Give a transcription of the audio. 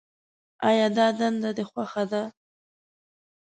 آیا دا دنده دې خوښه ده.